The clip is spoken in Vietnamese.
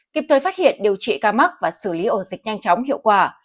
kịp thời phát hiện điều trị ca mắc và xử lý ổ dịch nhanh chóng hiệu quả